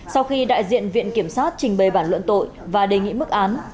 sau khi đại diện viện kiểm sát trình bày bản luận tội và đề nghị mức án